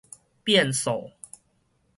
變數